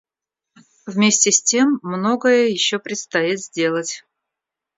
Вместе с тем многое еще предстоит сделать.